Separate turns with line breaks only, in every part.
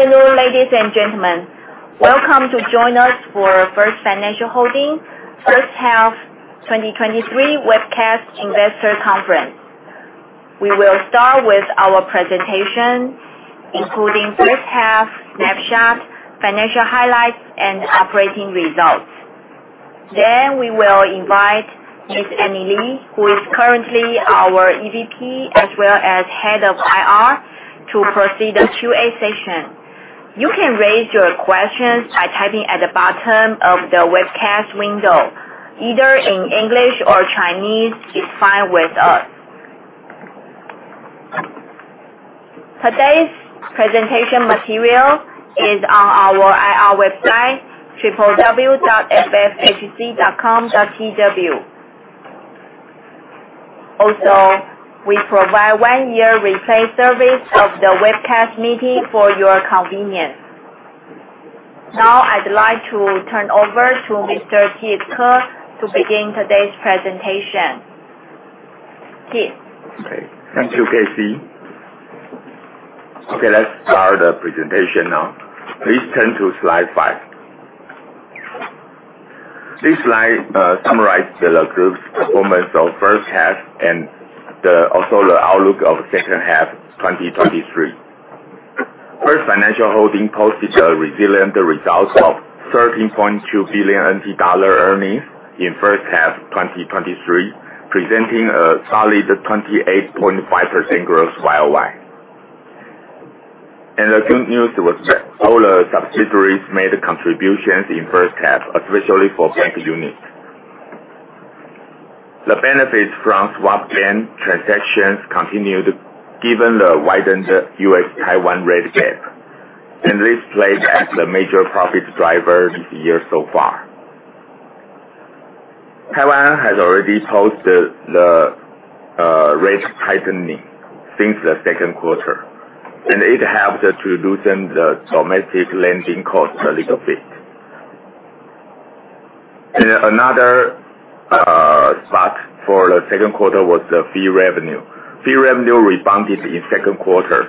Good afternoon, ladies and gentlemen. Welcome to join us for First Financial Holding first half 2023 webcast investor conference. We will start with our presentation, including first half snapshot, financial highlights, and operating results. We will invite Ms. Annie Lee, who is currently our EVP as well as Head of IR, to proceed to Q&A session. You can raise your questions by typing at the bottom of the webcast window. Either in English or Chinese is fine with us. Today's presentation material is on our IR website, www.ffhc.com.tw. We provide one-year replay service of the webcast meeting for your convenience. I'd like to turn over to Mr. Keith Ke to begin today's presentation. Kit?
Thank you, Casey. Let's start the presentation now. Please turn to slide five. This slide summarizes the group's performance of first half and also the outlook of second half 2023. First Financial Holding posted a resilient result of 13.2 billion NT dollar earnings in first half 2023, presenting a solid 28.5% growth YoY. The good news was that all the subsidiaries made contributions in first half, especially for bank unit. The benefits from swap gain transactions continued given the widened U.S. Taiwan rate gap, this played as the major profit driver this year so far. Taiwan has already posted the rate tightening since the second quarter, it helped to loosen the domestic lending cost a little bit. Another spot for the second quarter was the fee revenue. Fee revenue rebounded in second quarter.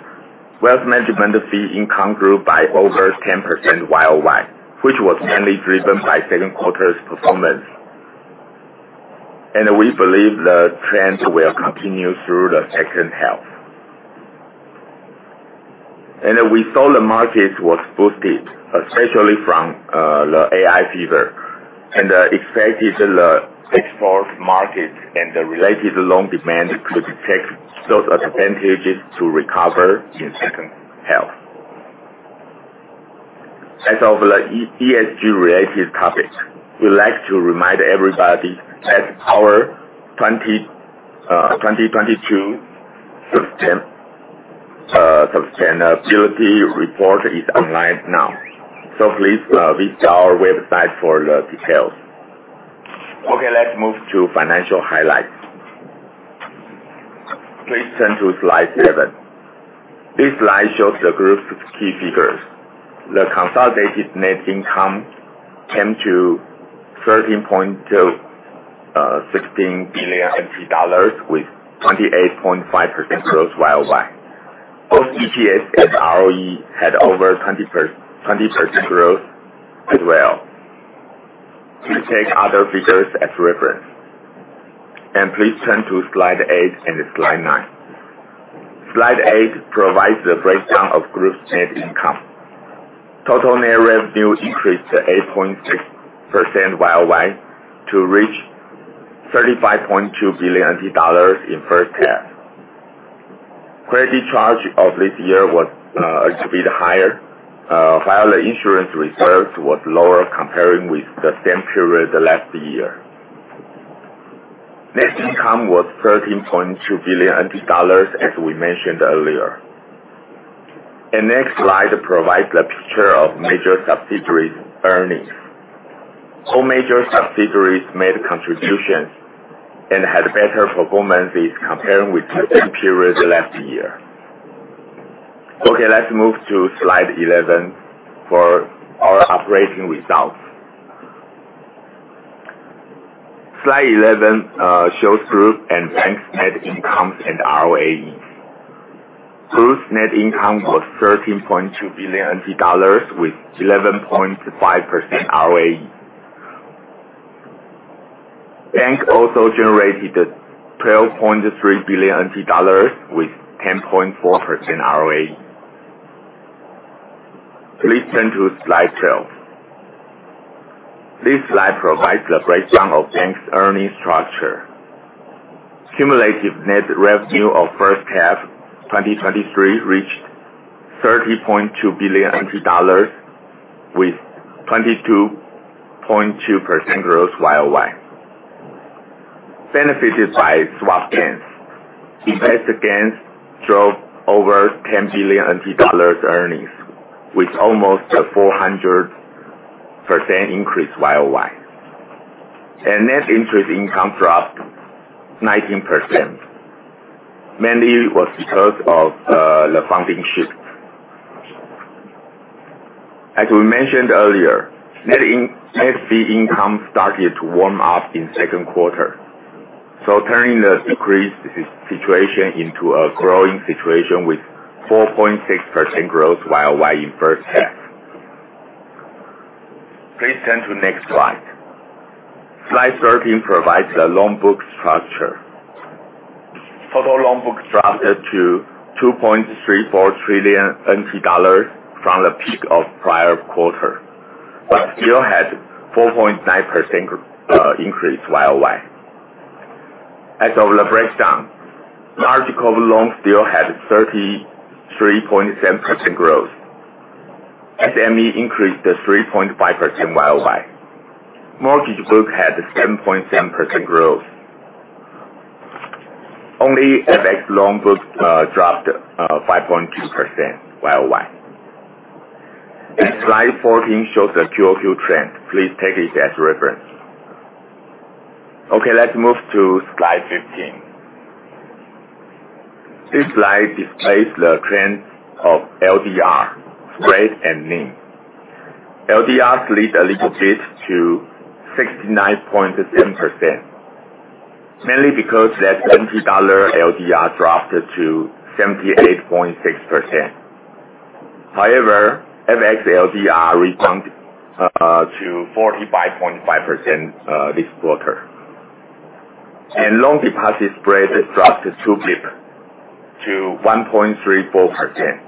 Wealth management fee income grew by over 10% YoY, which was mainly driven by second quarter's performance. We believe the trend will continue through the second half. We saw the market was boosted, especially from the AI fever and expected the export market and the related loan demand could take those advantages to recover in second half. As of the ESG related topic, we'd like to remind everybody that our 2022 sustainability report is online now. Please visit our website for the details. Let's move to financial highlights. Please turn to slide seven. This slide shows the group's key figures. The consolidated net income came to 13.26 billion with 28.5% growth YoY. Both EPS and ROE had over 20% growth as well. Please take other figures as reference. Please turn to slide eight and slide nine. Slide eight provides the breakdown of group's net income. Total net revenue increased 8.6% YoY to reach 35.2 billion dollars in first half. Credit charge of this year was a bit higher, while the insurance reserves was lower comparing with the same period last year. Net income was 13.2 billion dollars as we mentioned earlier. The next slide provides the picture of major subsidiaries earnings. All major subsidiaries made contributions and had better performances comparing with the same period last year. Let's move to slide 11 for our operating results. Slide 11 shows group and bank net incomes and ROAE. Group's net income was 13.2 billion NT dollars with 11.5% ROAE. Bank also generated 12.3 billion NT dollars with 10.4% ROAE. Please turn to slide 12. This slide provides the breakdown of bank's earning structure. Cumulative net revenue of first half 2023 reached 30.2 billion NT dollars with 22.2% growth year-over-year. Benefited by swap gains, investment gains drove over 10 billion NT dollars earnings with almost a 400% increase year-over-year. Net interest income dropped 19%, mainly was because of the funding shift. As we mentioned earlier, net fee income started to warm up in second quarter. Turning the decrease situation into a growing situation with 4.6% growth year-over-year in first half. Please turn to next slide. Slide 13 provides the loan book structure. Total loan book dropped to 2.34 trillion NT dollars from the peak of prior quarter, but still had 4.9% increase year-over-year. As of the breakdown, large corporate loans still had 33.7% growth. SME increased to 3.5% year-over-year. Mortgage book had 7.7% growth. Only FX loan book dropped 5.2% year-over-year. Slide 14 shows the quarter-over-quarter trend. Please take it as a reference. Let's move to slide 15. This slide displays the trend of LDR, spread, and NIM. LDR slid a little bit to 69.7%, mainly because that NT dollar LDR dropped to 78.6%. However, FX LDR rebound to 45.5% this quarter. Loan deposit spread dropped two pip to 1.34%.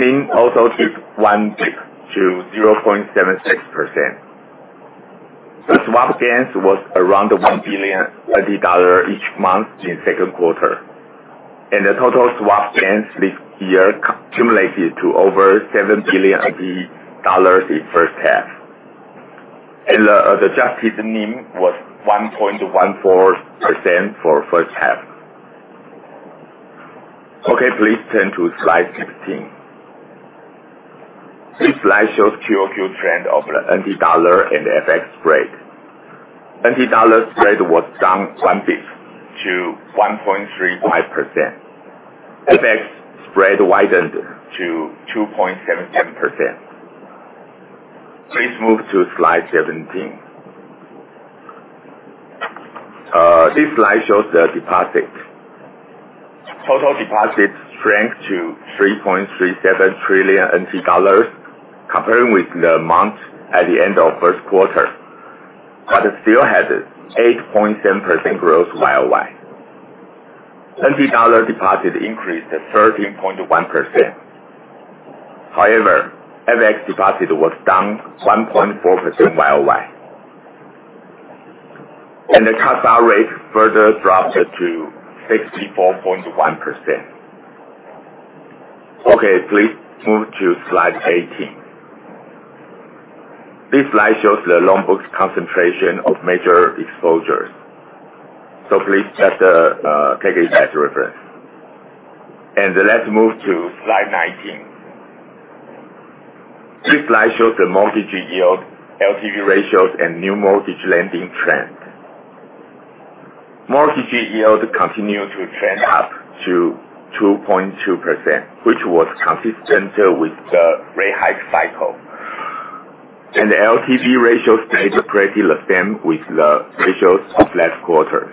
NIM also dropped one pip to 0.76%. The swap gains was around 1 billion each month in second quarter. The total swap gains this year accumulated to over 7 billion dollars in first half. The adjusted NIM was 1.14% for first half. Please turn to slide 17. This slide shows quarter-over-quarter trend of the NT dollar and FX spread. NT dollar spread was down one pip to 1.35%. FX spread widened to 2.77%. Please move to slide 17. This slide shows the deposit. Total deposit shrank to 3.37 trillion NT dollars comparing with the amount at the end of first quarter, but it still had 8.7% growth year-over-year. NT dollar deposit increased to 13.1%. However, FX deposit was down 1.4% year-over-year. The CASA rate further dropped to 64.1%. Please move to slide 18. This slide shows the loan book's concentration of major exposures. Please just take it as a reference. Let's move to slide 19. This slide shows the mortgage yield, LTV ratios, and new mortgage lending trend. Mortgage yield continued to trend up to 2.2%, which was consistent with the rate hike cycle. The LTV ratio stayed pretty the same with the ratios of last quarter.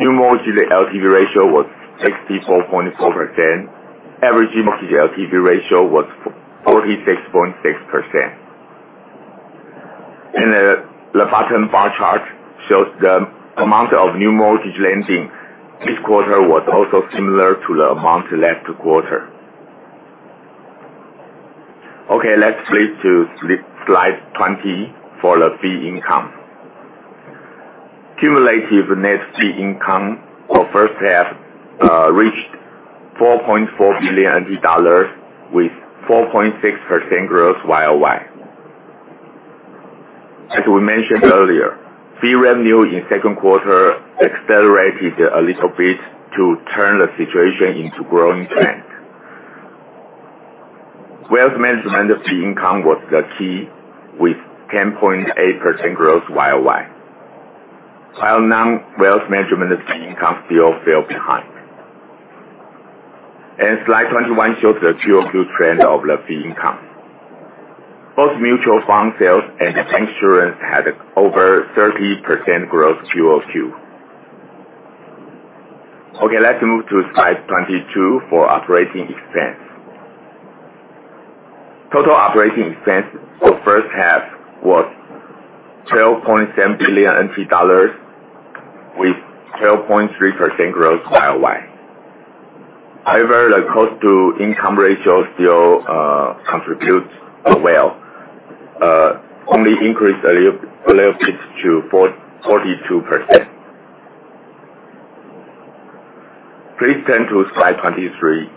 New mortgage LTV ratio was 64.4%. Average mortgage LTV ratio was 46.6%. The bottom bar chart shows the amount of new mortgage lending this quarter was also similar to the amount last quarter. Let's flip to slide 20 for the fee income. Cumulative net fee income for first half reached 4.4 billion dollars with 4.6% growth year-over-year. As we mentioned earlier, fee revenue in second quarter accelerated a little bit to turn the situation into growing trend. Wealth management fee income was the key with 10.8% growth year-over-year. While non-wealth management fee income still fell behind. Slide 21 shows the quarter-over-quarter trend of the fee income. Both mutual fund sales and insurance had over 30% growth quarter-over-quarter. Let's move to slide 22 for operating expense. Total operating expense for first half was 12.7 billion dollars with 12.3% growth year-over-year. However, the cost-to-income ratio still contributes well, only increased a little bit to 42%. Please turn to slide 23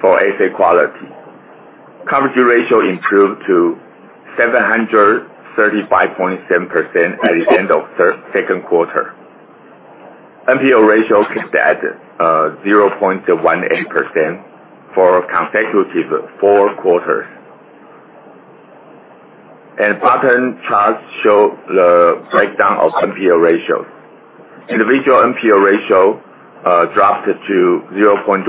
for asset quality. Coverage ratio improved to 735.7% at the end of second quarter. NPL ratio kept at 0.18% for consecutive four quarters. Bottom chart show the breakdown of NPL ratios. Individual NPL ratio dropped to 0.11%.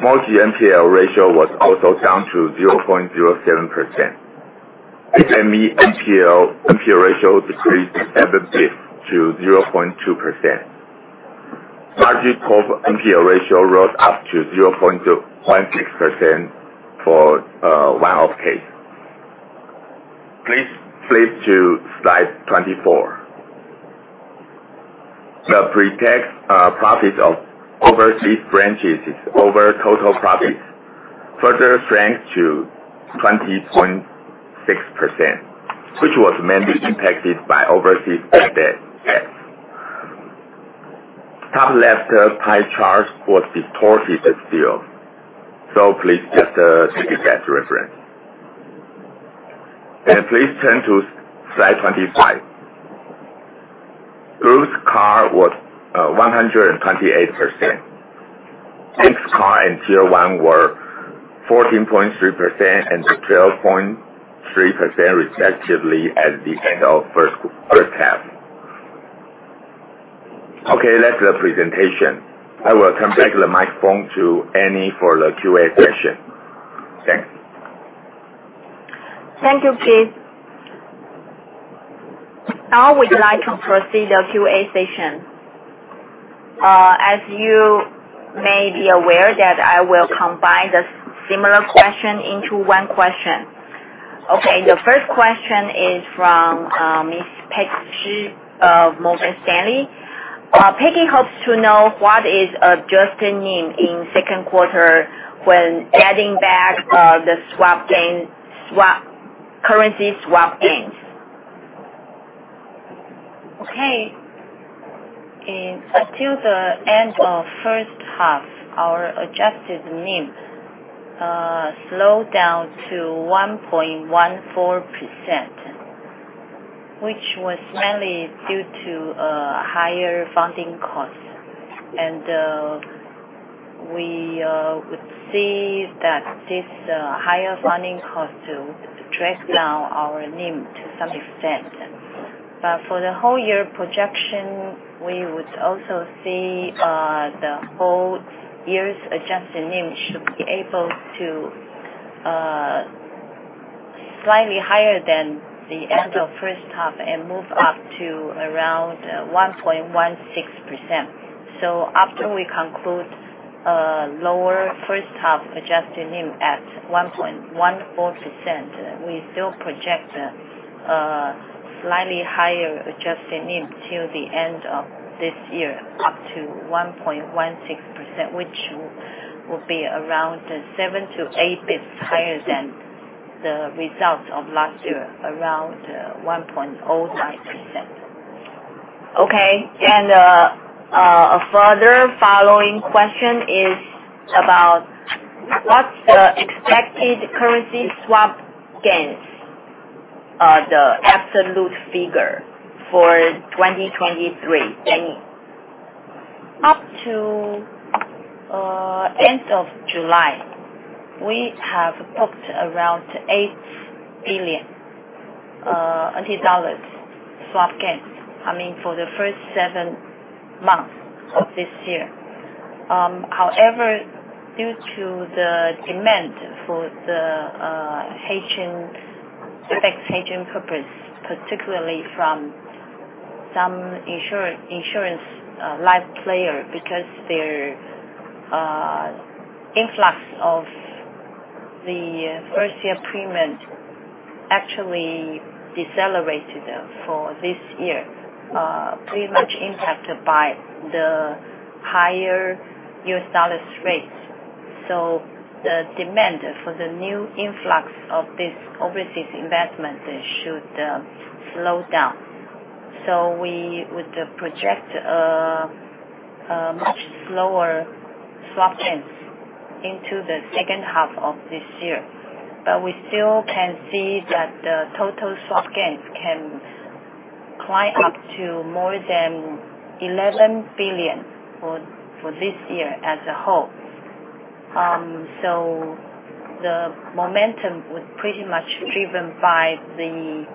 Small NPL ratio was also down to 0.07%. SME NPL ratio decreased seven basis points to 0.2%. Large corp NPL ratio rose up to 0.6% for one-off case. Please flip to slide 24. The pre-tax profits of overseas branches over total profits further shrank to 20.6%, which was mainly impacted by overseas bad debts. Top left pie chart was distorted still, so please just take it as reference. Please turn to slide 25. Group CAR was 128%. G-CAR and Tier 1 were 14.3% and 12.3%, respectively, at the end of first half. Okay, that's the presentation. I will come back the microphone to Annie for the QA session. Thanks.
Thank you, Chris. Now we'd like to proceed the QA session. As you may be aware that I will combine the similar question into one question. Okay, the first question is from Miss Peggy Shih of Morgan Stanley. Peggy hopes to know what is adjusted NIM in second quarter when adding back the currency swap gains.
Okay. Until the end of first half, our adjusted NIM slowed down to 1.14%, which was mainly due to higher funding costs. We would see that this higher funding cost will drag down our NIM to some extent. For the whole year projection, we would also see the whole year's adjusted NIM should be able to slightly higher than the end of first half, and move up to around 1.16%. After we conclude lower first half adjusted NIM at 1.14%, we still project a slightly higher adjusted NIM till the end of this year, up to 1.16%, which will be around seven to eight basis points higher than the results of last year, around 1.09%.
Okay, a further following question is about what's the expected currency swap gains, the absolute figure for 2023, Annie?
Up to end of July, we have booked around 8 billion dollars swap gains, I mean, for the first seven months of this year. However, due to the demand for the FX hedging purpose, particularly from some insurance life player, because their influx of the first year premium actually decelerated for this year, pretty much impacted by the higher US dollar rates. The demand for the new influx of this overseas investment should slow down. We would project a much slower swap gains into the second half of this year, but we still can see that the total swap gains can climb up to more than 11 billion for this year as a whole. The momentum was pretty much driven by the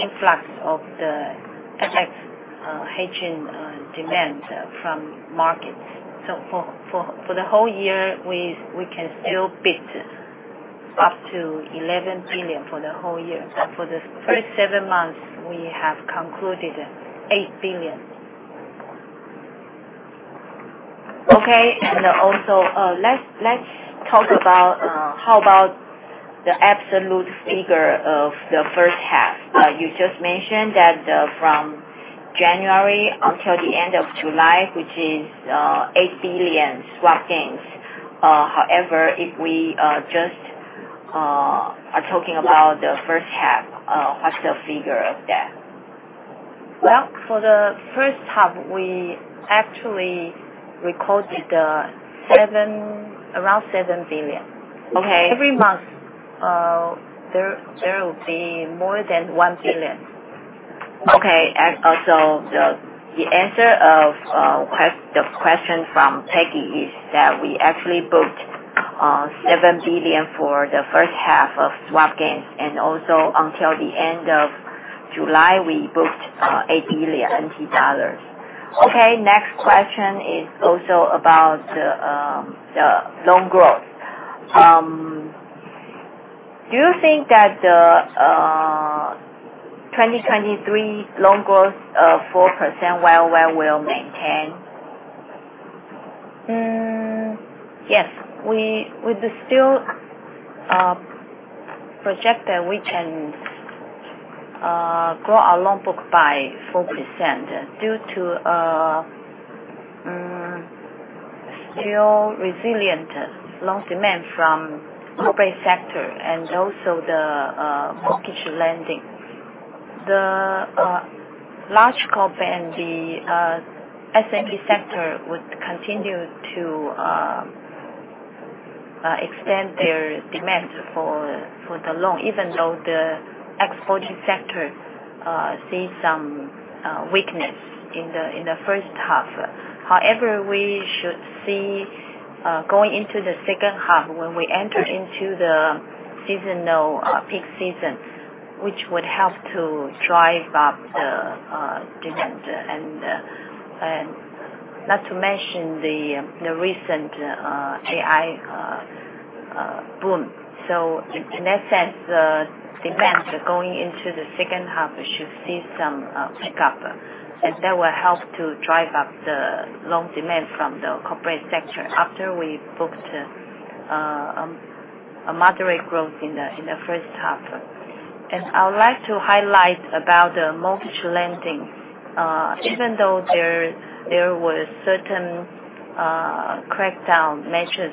influx of the FX hedging demand from markets. For the whole year, we can still bid up to 11 billion for the whole year. For the first seven months, we have concluded 8 billion.
Okay. Also, let's talk about the absolute figure of the first half. You just mentioned that from January until the end of July, which is 8 billion swap gains. However, if we just are talking about the first half, what's the figure of that?
Well, for the first half, we actually recorded around 7 billion.
Okay.
Every month, there will be more than 1 billion.
Okay. Also the answer of the question from Peggy is that we actually booked 7 billion for the first half of swap gains, and also until the end of July, we booked 8 billion NT dollars. Okay, next question is also about the loan growth. Do you think that the 2023 loan growth of 4% YoY will maintain?
Yes. We still project that we can grow our loan book by 4% due to still resilient loan demand from corporate sector and also the mortgage lending. The large corporate and the SME sector would continue to extend their demand for the loan, even though the exporting sector see some weakness in the first half. However, we should see, going into the second half, when we enter into the seasonal peak season, which would help to drive up the demand. Not to mention the recent AI boom. In that sense, the demand going into the second half should see some pickup, and that will help to drive up the loan demand from the corporate sector after we booked a moderate growth in the first half. I would like to highlight about the mortgage lending. Even though there were certain crackdown measures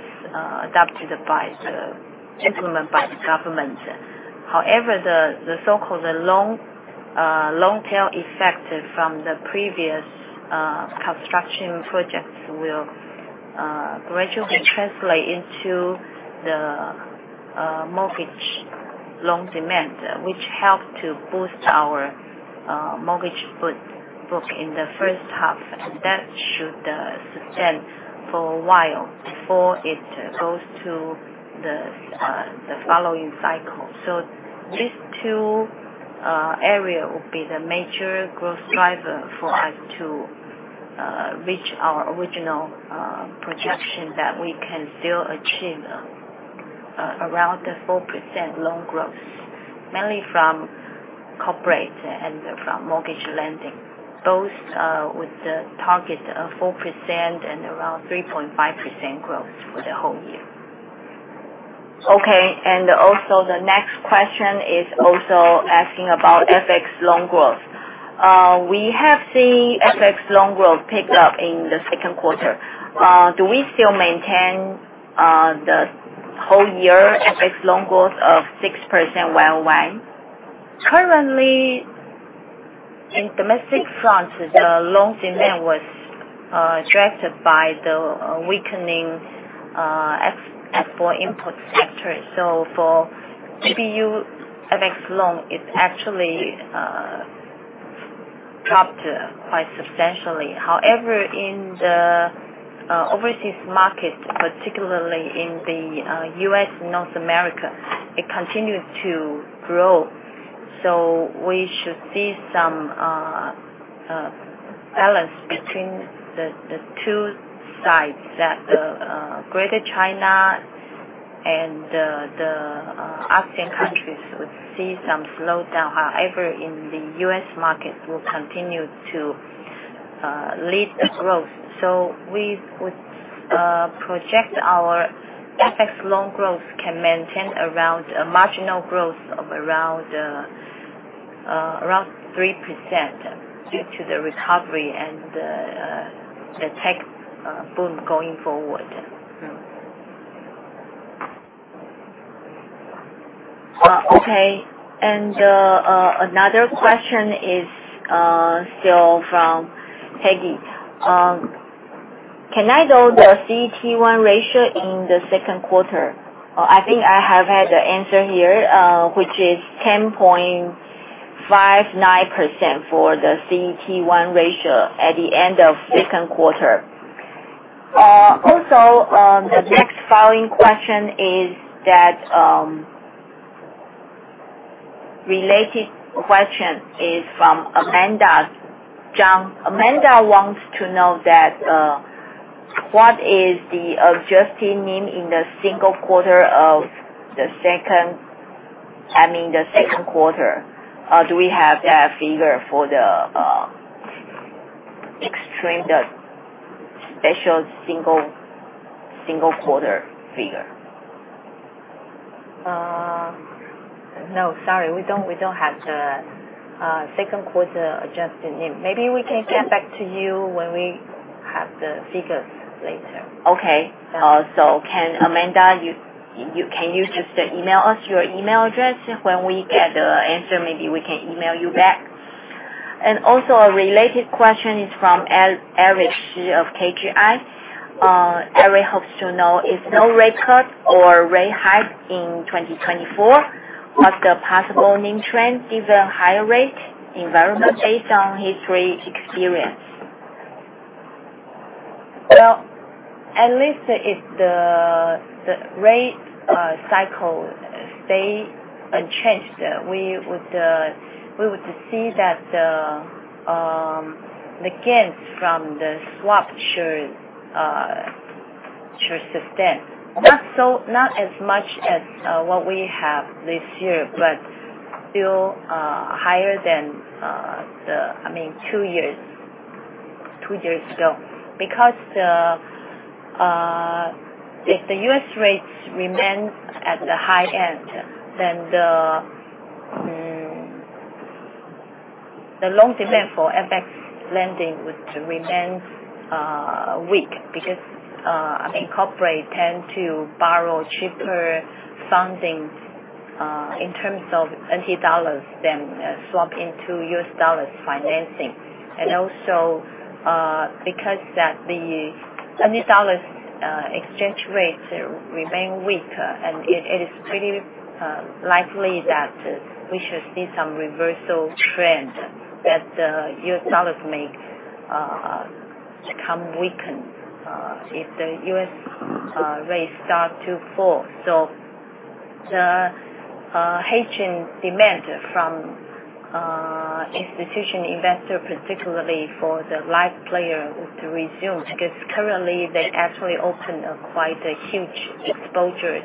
adopted by the government. The so-called loan tail effect from the previous construction projects will gradually translate into the mortgage loan demand, which helped to boost our mortgage book in the first half. That should sustain for a while before it goes to the following cycle. These two areas will be the major growth driver for us to reach our original projection that we can still achieve around 4% loan growth, mainly from corporate and from mortgage lending, both with the target of 4% and around 3.5% growth for the whole year.
Also the next question is also asking about FX loan growth. We have seen FX loan growth pick up in the second quarter. Do we still maintain the whole year FX loan growth of 6% YoY?
Currently, in domestic front, the loan demand was dragged by the weakening export-import sector. For GBU, FX loan is actually dropped quite substantially. However, in the overseas market, particularly in the U.S. and North America, it continues to grow. We should see some balance between the two sides that Greater China and the ASEAN countries would see some slowdown. However, in the U.S. market will continue to lead the growth. We would project our FX loan growth can maintain a marginal growth of around 3% due to the recovery and the tech boom going forward.
Another question is still from Peggy. Can I know the CET1 ratio in the second quarter?
I think I have had the answer here, which is 10.59% for the CET1 ratio at the end of second quarter.
Related question is from Amanda. Amanda wants to know, what is the adjusted NIM in the single quarter of the second, I mean the second quarter. Do we have that figure for the extreme, the special single quarter figure?
No, sorry, we don't have the second quarter adjusted NIM. We can get back to you when we have the figures later.
Okay. Amanda, can you just email us your email address? When we get the answer, we can email you back. A related question is from Eric Shih of KGI. Eric hopes to know if no rate cut or rate hike in 2024, what the possible main trend is a higher rate environment based on history experience.
Well, at least if the rate cycle stay unchanged, we would see that the gains from the swap should sustain. Not as much as what we have this year, but still higher than two years ago. Because if the U.S. rates remain at the high end, then the long demand for FX lending would remain weak because corporates tend to borrow cheaper funding in terms of NT dollars than swap into U.S. dollars financing. Because the NT dollars exchange rates remain weak, and it is pretty likely that we should see some reversal trend, that the U.S. dollar may become weakened if the U.S. rates start to fall. The hedging demand from institutional investor, particularly for the live player, would resume, because currently they actually opened quite a huge exposure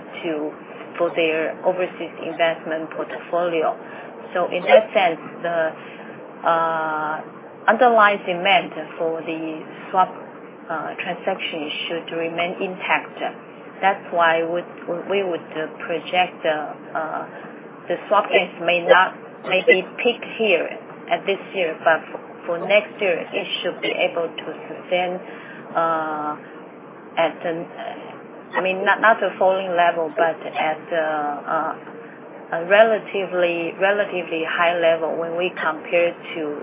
for their overseas investment portfolio. In that sense, the underlying demand for the swap transactions should remain intact. That's why we would project the swap may be peak here at this year, but for next year, it should be able to sustain at, not a falling level, but at a relatively high level when we compare to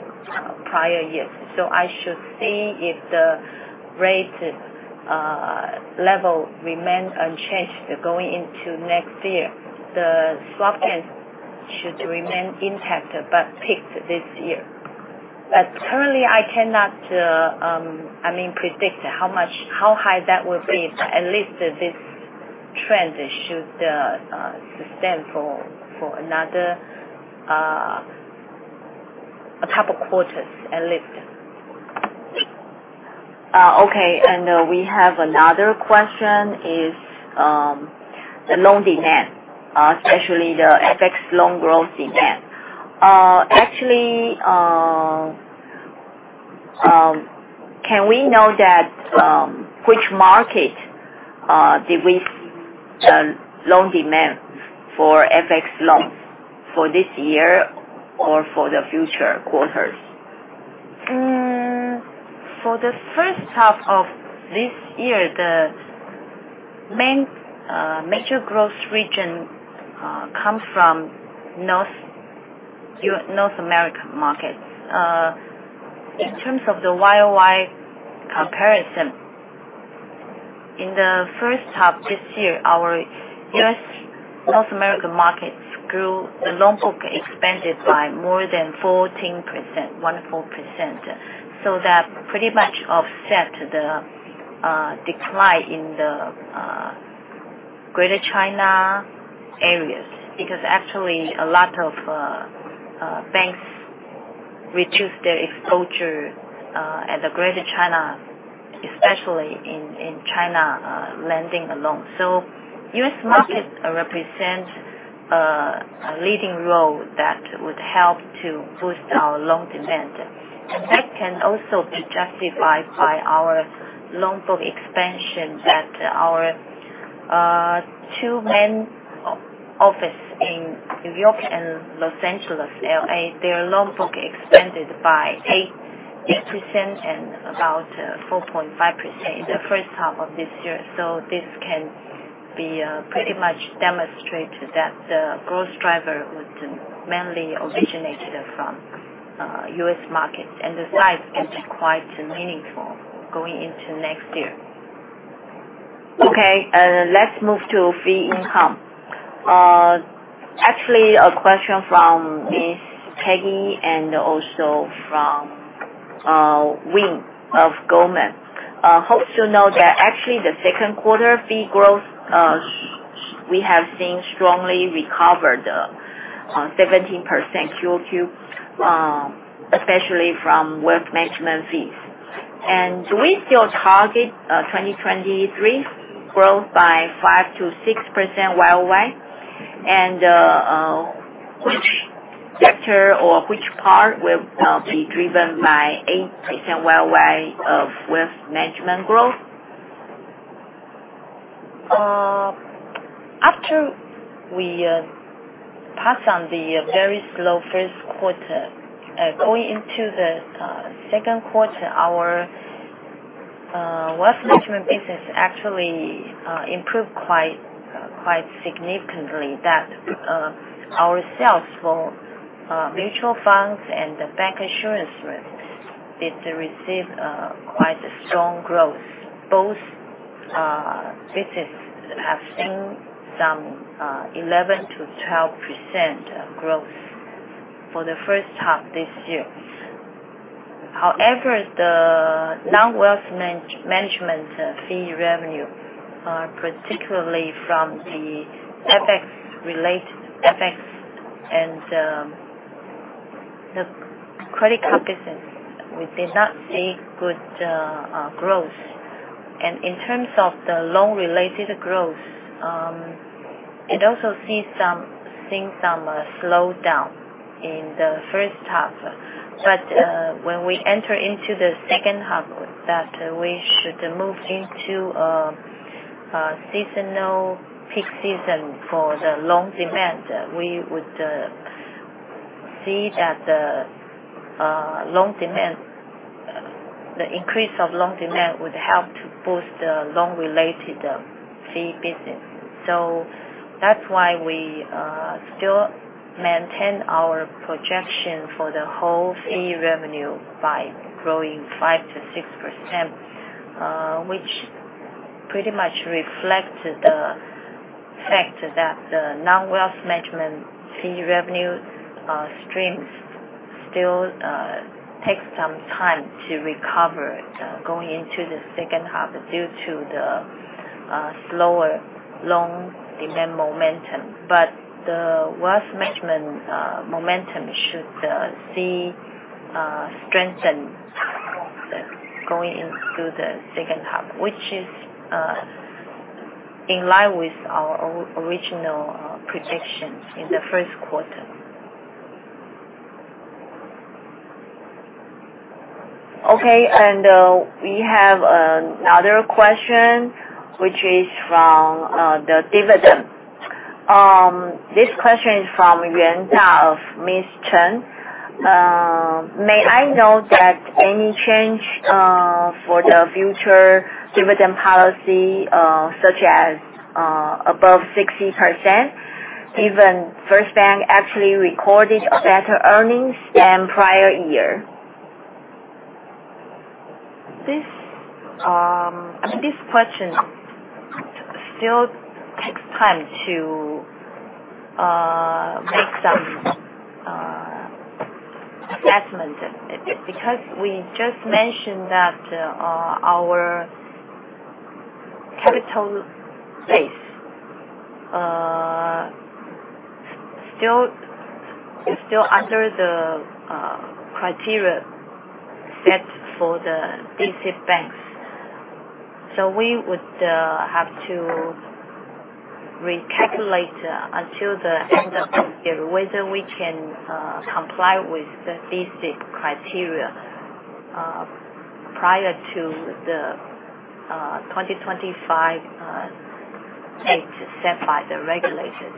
prior years. I should see if the rate level remains unchanged going into next year. The swap then should remain intact but peak this year. Currently I cannot predict how high that will be, but at least this trend should sustain for another couple quarters, at least.
Okay, we have another question, is the loan demand, especially the FX loan growth demand. Actually, can we know that which market did we see the loan demand for FX loans for this year or for the future quarters?
For the first half of this year, the major growth region comes from North American markets. In terms of the YoY comparison, in the first half this year, our U.S. North American markets grew. The loan book expanded by more than 14%, so that pretty much offset the decline in the Greater China areas because actually a lot of banks reduced their exposure at the Greater China, especially in China, lending the loans. U.S. market represents a leading role that would help to boost our loan demand. That can also be justified by our loan book expansion that our two main office in New York and Los Angeles, L.A., their loan book expanded by 8% and about 4.5% in the first half of this year. this can pretty much demonstrate that the growth driver was mainly originated from U.S. markets, and the size is quite meaningful going into next year.
let's move to fee income. A question from Peggy and also from Wing of Goldman. Hope to know that actually the second quarter fee growth, we have seen strongly recovered on 17% QOQ, especially from wealth management fees. Do we still target 2023 growth by 5%-6% YOY? Which sector or which part will be driven by 8% YOY of wealth management growth?
After we pass on the very slow first quarter, going into the second quarter, our wealth management business actually improved quite significantly that our sales for mutual funds and bank insurance did receive quite a strong growth. Both businesses have seen some 11%-12% growth for the first half this year. However, the non-wealth management fee revenue, particularly from the FX related effects and the credit card business, we did not see good growth. In terms of the loan-related growth, it also seen some slowdown in the first half. When we enter into the second half, we should move into a seasonal peak season for the loan demand. We would see that the increase of loan demand would help to boost the loan-related fee business. that's why we still maintain our projection for the whole fee revenue by growing 5%-6%, which pretty much reflects the fact that the non-wealth management fee revenue streams still take some time to recover going into the second half due to the slower loan demand momentum. The wealth management momentum should see strength going into the second half, which is in line with our original predictions in the first quarter.
We have another question, which is from the dividend. This question is from Yuanta of Miss Chen. May I know that any change for the future dividend policy such as above 60%, given First Bank actually recorded better earnings than prior year?
This question still takes time to make some assessment because we just mentioned that our capital base is still under the criteria set for the basic banks. We would have to recalculate until the end of the year whether we can comply with the basic criteria prior to the 2025 date set by the regulators.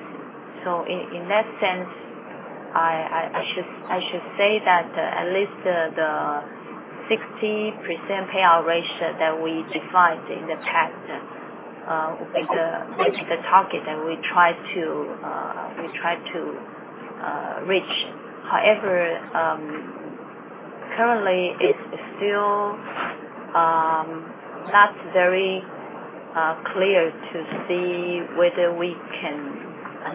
In that sense, I should say that at least the 60% payout ratio that we defined in the past will be the target that we try to reach. However, currently it's still not very clear to see whether we can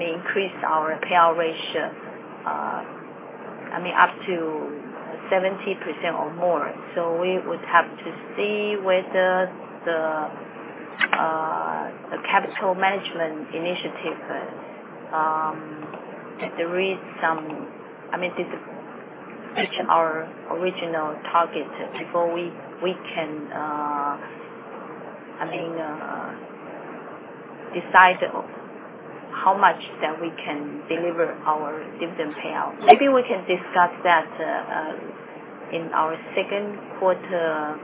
increase our payout ratio up to 70% or more. We would have to see whether the capital management initiative reach our original target before we can decide how much that we can deliver our dividend payout. Maybe we can discuss that in our second quarter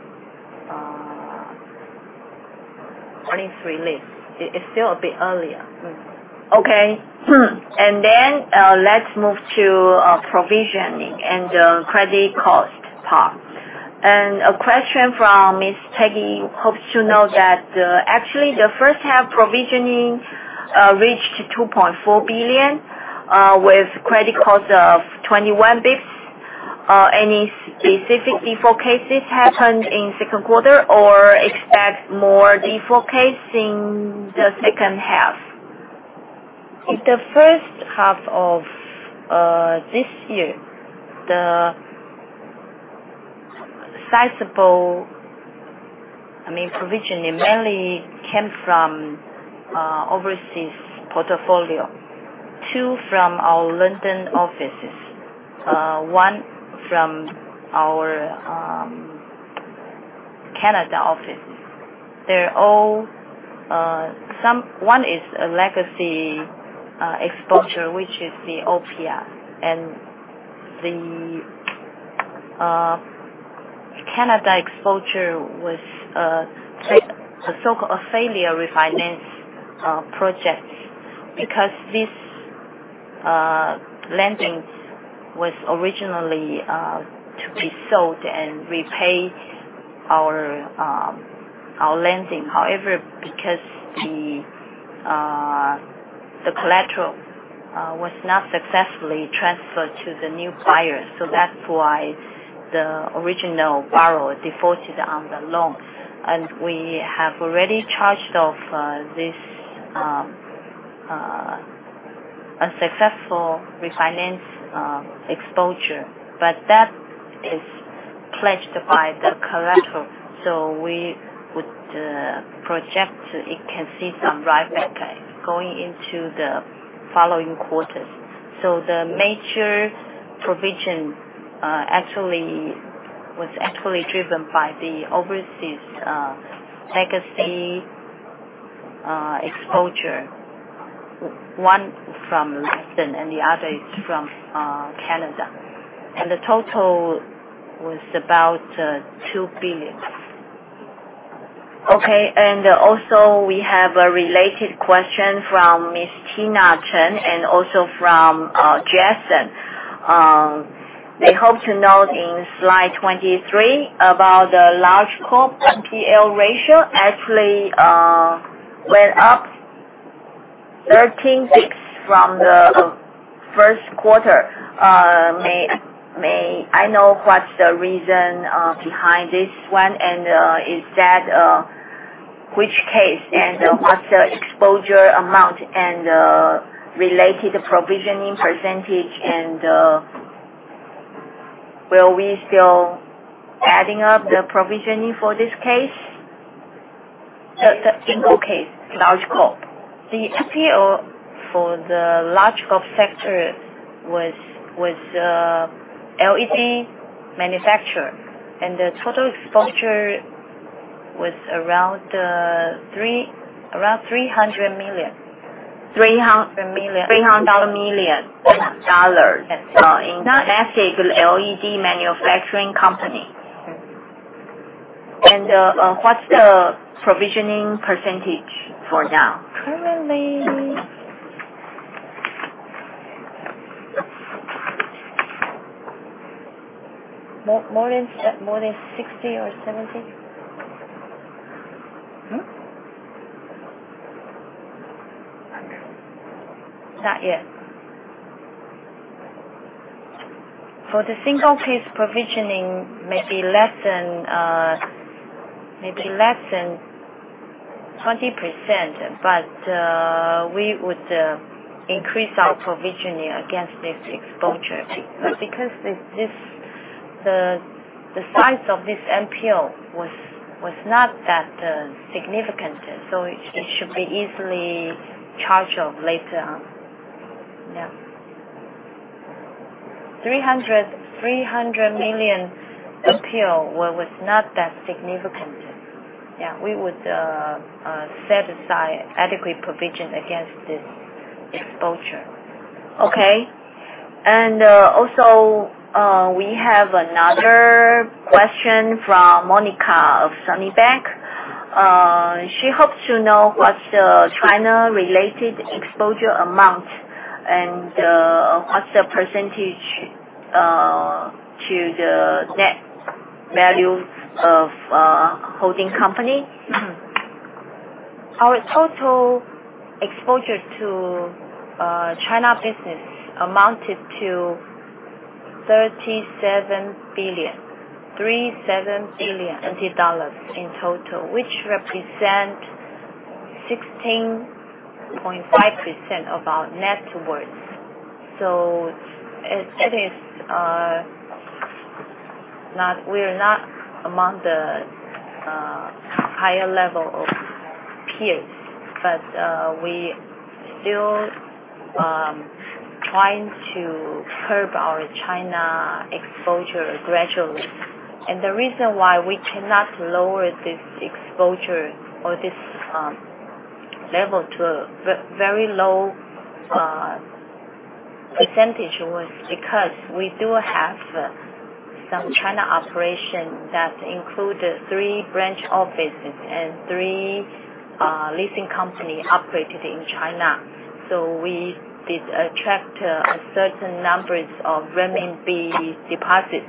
earnings release. It's still a bit early.
Let's move to provisioning and the credit cost part. A question from Miss Peggy, who hopes to know that actually the first half provisioning reached 2.4 billion with credit cost of 21 basis points. Any specific default cases happened in second quarter or expect more default case in the second half?
In the first half of this year, the sizable provisioning mainly came from overseas portfolio. Two from our London offices, one from our Canada office. One is a legacy exposure, which is the OPR, and the Canada exposure was a so-called failure refinance project because this lendings was originally to be sold and repay our lending. However, because the collateral was not successfully transferred to the new buyer, that's why the original borrower defaulted on the loan. We have already charged off this unsuccessful refinance exposure. That is pledged by the collateral, we would project it can see some write-backs going into the following quarters. The major provision was actually driven by the overseas legacy exposure, one from Lexington and the other is from Canada. The total was about 2 billion.
Okay. Also we have a related question from Ms. Tina Chen and also from Jason. They hope to know in slide 23 about the large corp NPL ratio actually went up 13 bps from the first quarter. May I know what's the reason behind this one, and which case, and what's the exposure amount, and the related provisioning percentage, and will we still be adding up the provisioning for this case? The single case, large corp.
The NPL for the large corp sector was LED manufacturer, the total exposure was around 300 million.
300 million.
Yes.
In domestic LED manufacturing company. What's the provisioning percentage for now?
Currently more than 60 or 70. Not yet. For the single case provisioning, maybe less than 20%, we would increase our provisioning against this exposure. Because the size of this NPL was not that significant, it should be easily charged off later on. Yeah. 300 million NPL was not that significant. Yeah, we would set aside adequate provision against this exposure.
Okay. Also, we have another question from Monica of Sunny Bank. She hopes to know what's the China-related exposure amount, and what's the percentage to the net value of holding company?
Our total exposure to China business amounted to 37 billion in total, which represents 16.5% of our net worth. We are not among the higher level of peers. We are still trying to curb our China exposure gradually. The reason why we cannot lower this exposure or this level to a very low percentage was because we do have some China operations that include three branch offices and three leasing companies operating in China. We did attract certain numbers of RMB deposits.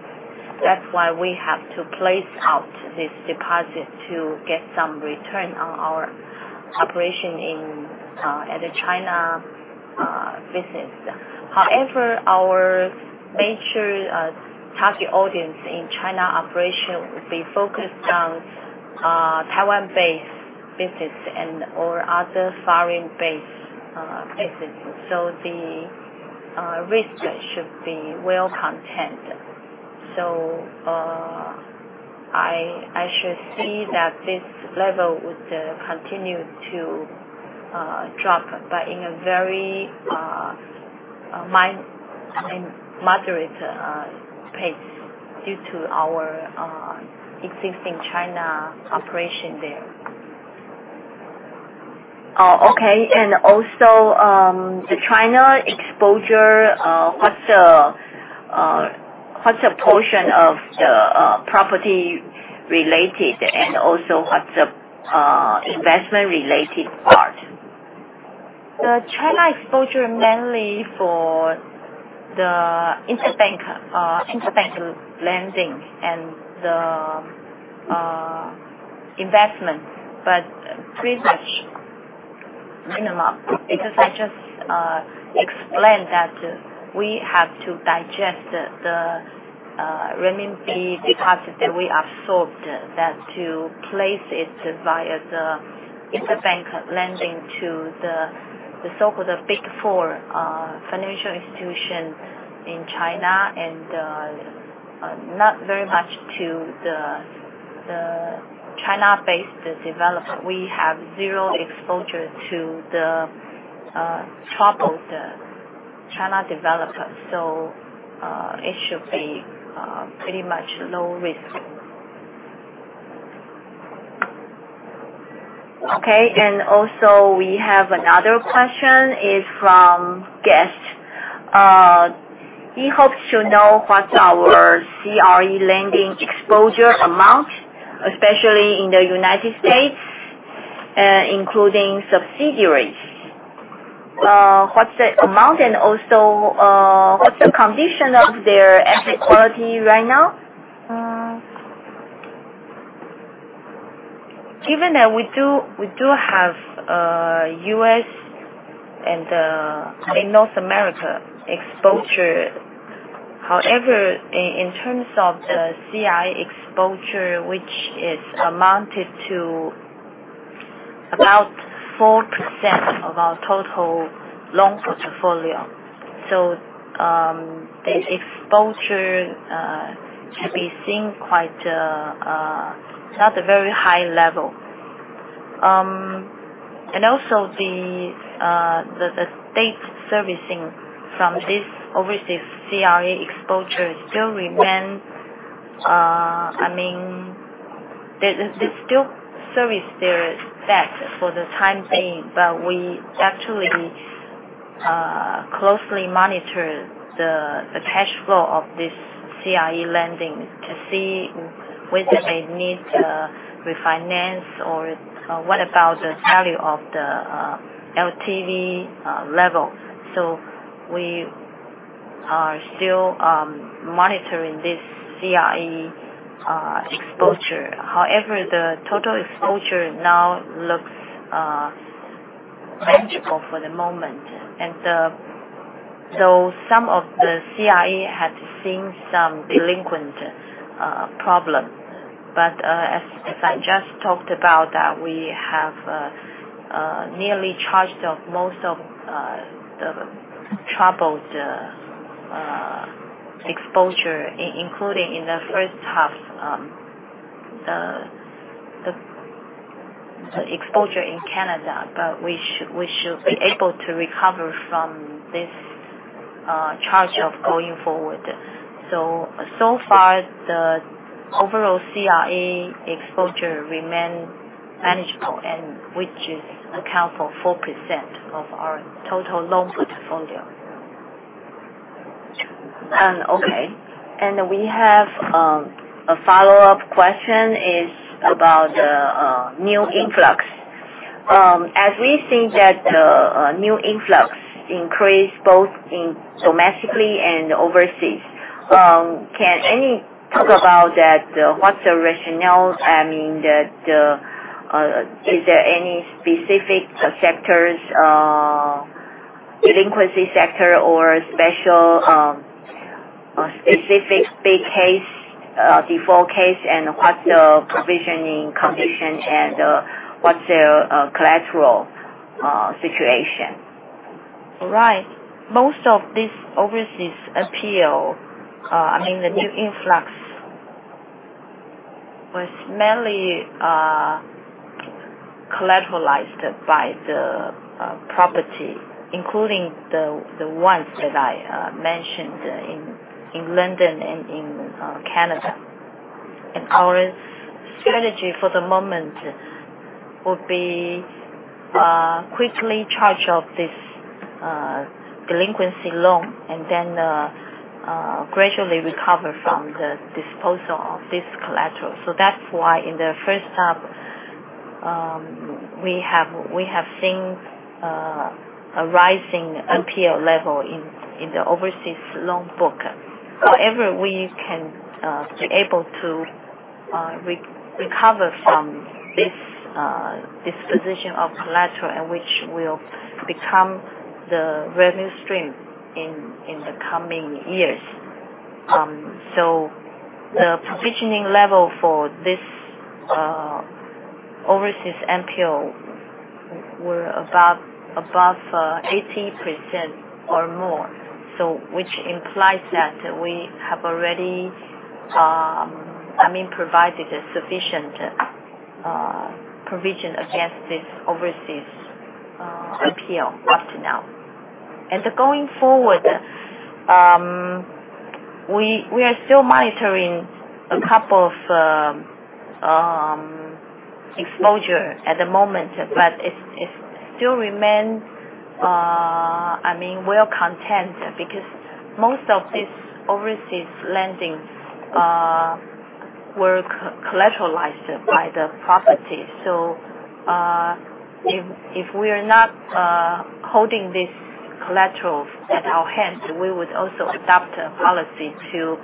That's why we have to place out this deposit to get some return on our operation at the China business. However, our major target audience in China operation will be focused on Taiwan-based business and/or other foreign-based business. The risk should be well contained. I should see that this level would continue to drop, but in a very moderate pace due to our existing China operation there.
Oh, okay. Also, the China exposure, what's the portion of the property related, and also what's the investment related part?
The China exposure mainly for the interbank lending and the investment, but pretty much minimum, because I just explained that we have to digest the renminbi deposit that we absorbed, that to place it via the interbank lending to the so-called Big Four financial institutions in China, and not very much to the China-based developer. We have zero exposure to the troubled China developers. It should be pretty much low risk.
Okay. Also, we have another question. It's from guest. He hopes to know what our CRE lending exposure amount, especially in the U.S., including subsidiaries. What's the amount, and also, what's the condition of their asset quality right now?
Given that we do have U.S. and North America exposure. However, in terms of the CRE exposure, which is amounted to about 4% of our total loan portfolio. The exposure can be seen quite at a very high level. Also, the state servicing from this overseas CRE exposure still remains. They still service their debt for the time being. We actually closely monitor the cash flow of this CRE lending to see whether they need to refinance or what about the value of the LTV level. We are still monitoring this CRE exposure. However, the total exposure now looks manageable for the moment. Some of the CRE had seen some delinquent problem. As I just talked about, that we have nearly charged off most of the troubled exposure, including in the first half, the exposure in Canada. We should be able to recover from this charge-off going forward. So far, the overall CRE exposure remains manageable, and which accounts for 4% of our total loan portfolio.
Okay. We have a follow-up question. It's about the new influx. As we think that the new influx increased both domestically and overseas, can Annie Lee talk about that? What's the rationale? Is there any specific sectors, delinquency sector or special specific big case, default case? What's the provisioning condition and what's the collateral situation?
Right. Most of this overseas NPL, the new influx, was mainly collateralized by the property, including the ones that I mentioned in London and in Canada. Our strategy for the moment would be quickly charge off this delinquency loan, and then gradually recover from the disposal of this collateral. That's why in the first half, we have seen a rising NPL level in the overseas loan book. However, we can be able to recover from this disposition of collateral, and which will become the revenue stream in the coming years. The provisioning level for this overseas NPL was above 80% or more. Which implies that we have already provided a sufficient provision against this overseas NPL up to now. Going forward, we are still monitoring a couple of exposure at the moment, it still remains well-contained because most of these overseas lendings were collateralized by the property. If we are not holding this collateral at our hand, we would also adopt a policy to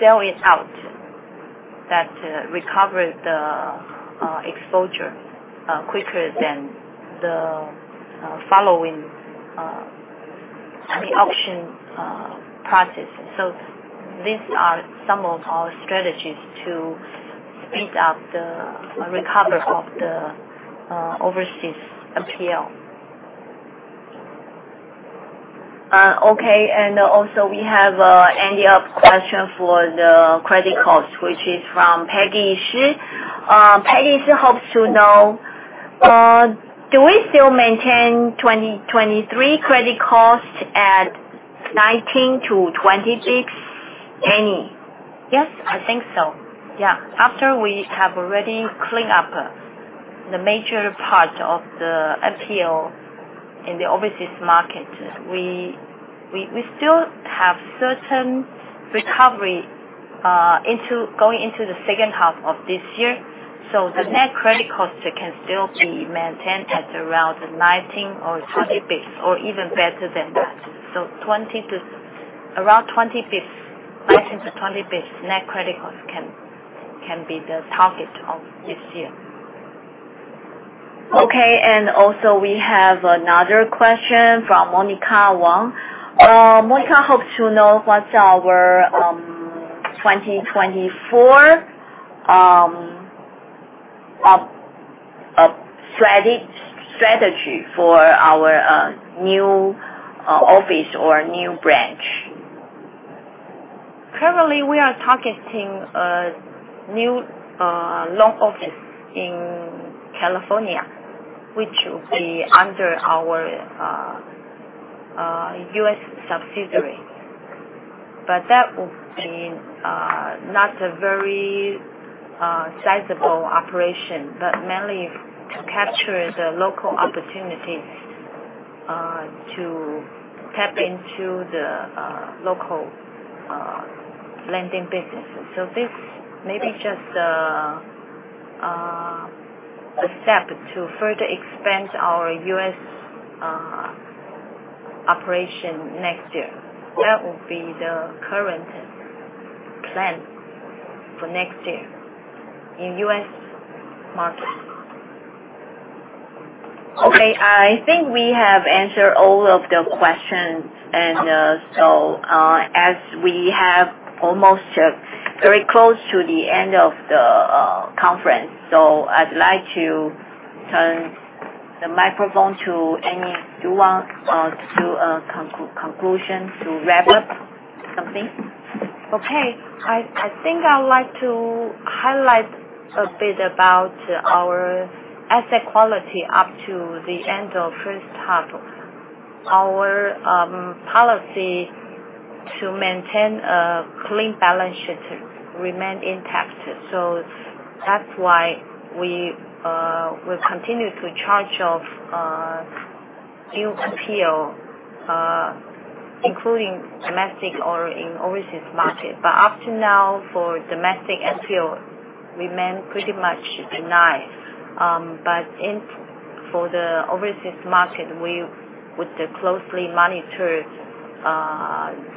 sell it out to recover the exposure quicker than the following auction process. These are some of our strategies to speed up the recovery of the overseas NPL.
Okay. Also we have ended up question for the credit cost, which is from Peggy Shih. Peggy Shih hopes to know, do we still maintain 2023 credit cost at 19 to 20 basis points? Annie?
Yes, I think so. After we have already cleaned up the major part of the NPL in the overseas market, we still have certain recovery going into the second half of this year. The net credit cost can still be maintained at around 19 or 20 basis points or even better than that. Around 20 basis points, 19 to 20 basis points net credit cost can be the target of this year.
Okay. Also we have another question from Monica Wang. Monica hopes to know what's our 2024 strategy for our new office or new branch.
Currently, we are targeting a new loan office in California, which will be under our U.S. subsidiary. That would be not a very sizable operation, but mainly to capture the local opportunities to tap into the local lending businesses. This may be just a step to further expand our U.S. operation next year. That will be the current plan for next year in U.S. market.
Okay, I think we have answered all of the questions. As we have almost very close to the end of the conference, I'd like to turn the microphone to Annie. Do you want to do a conclusion to wrap up something?
Okay. I think I would like to highlight a bit about our asset quality up to the end of first half. Our policy to maintain a clean balance sheet remained intact. That's why we will continue to charge off due NPL, including domestic or in overseas market. Up to now, for domestic NPL, we remain pretty much in line. For the overseas market, we would closely monitor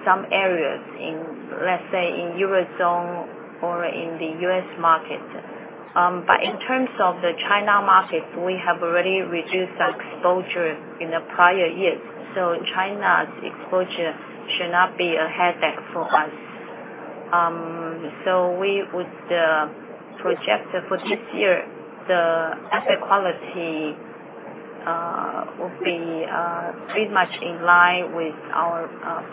some areas in, let's say, in Eurozone or in the U.S. market. In terms of the China market, we have already reduced our exposure in the prior years. China's exposure should not be a headache for us. We would project for this year, the asset quality will be pretty much in line with our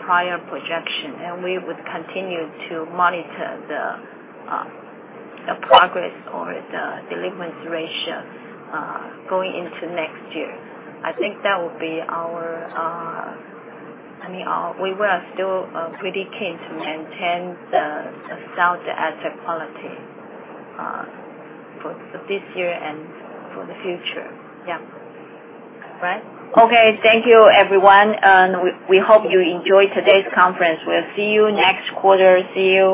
prior projection, and we would continue to monitor the progress or the delinquency ratio going into next year. We were still pretty keen to maintain the sound asset quality for this year and for the future.
Yeah.
Right?
Okay, thank you everyone. We hope you enjoyed today's conference. We'll see you next quarter. See you